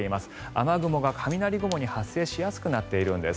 雨雲が雷雲に発達しやすくなっているんです。